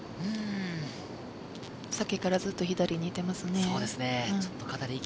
さっきからずっと左に行ってますね。